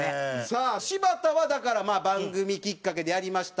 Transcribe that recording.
さあ柴田はだからまあ番組きっかけでやりました。